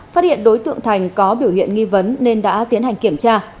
phát hiện đối tượng thành có biểu hiện nghi vấn nên đã tiến hành kiểm tra